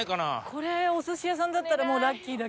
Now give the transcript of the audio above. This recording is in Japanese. これお寿司屋さんだったらもうラッキーだけど。